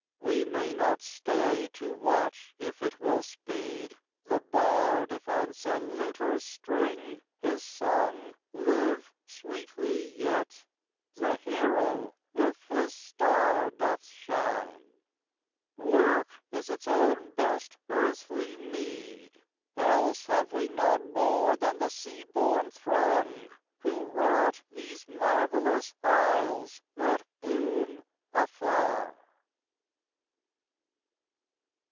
We may not stay to watph if it will speed, THE LONG WHITE SEAM. 77 The bard if on some luter's string his song Live sweetly yet; the hero if his star Doth shine. Work is its own best earthly meed, Else have we none more than the sea born throng Who wrought these marvellous isles that bloom afar.